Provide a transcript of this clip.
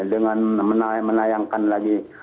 dengan menayangkan lagi